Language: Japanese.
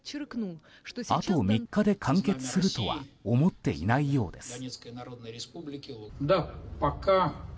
あと３日で完結するとは思っていないようです。